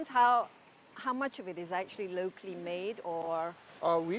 berapa banyak yang telah dilakukan di tempat ini